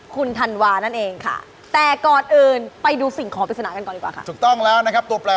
คุณทันวานั่นเองแต่ก่อนอื่นไปดูสิ่งของปริศนากันก่อน